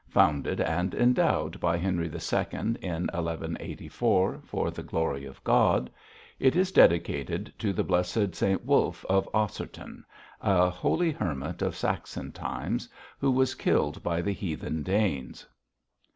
Founded and endowed by Henry II. in 1184 for the glory of God, it is dedicated to the blessed Saint Wulf of Osserton, a holy hermit of Saxon times, who was killed by the heathen Danes.